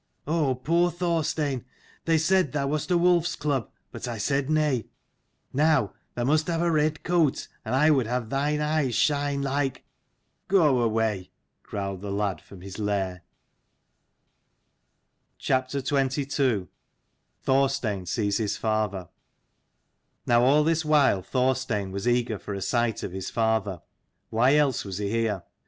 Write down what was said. Oh poor Thorstein, they said thou wast a wolf's cub : but I said nay. Now, thou must have a red coat, and I would have thine eyes shine like " "Go away !" growled the lad from his lair. OW all this while Thorstein was eager for a sight of his father: why else was he here?